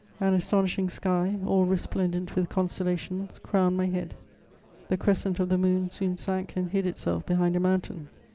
An astonishing sky, all resplendent with constellations, crowned my head. The crescent of the moon soon sank and hid itself behind a mountain.